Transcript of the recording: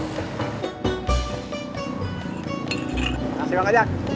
masih mau ngajak